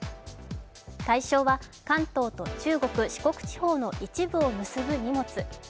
対象は関東と中国・四国地方の一部を結ぶ荷物。